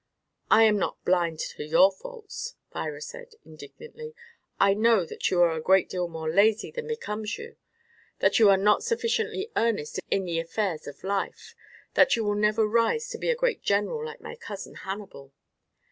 "I am not blind to your faults," Thyra said indignantly. "I know that you are a great deal more lazy than becomes you; that you are not sufficiently earnest in the affairs of life; that you will never rise to be a great general like my cousin Hannibal."